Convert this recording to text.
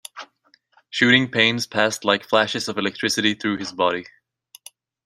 Shooting pains passed like flashes of electricity through his body.